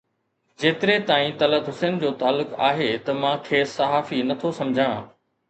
جيتري تائين طلعت حسين جو تعلق آهي ته مان کيس صحافي نٿو سمجهان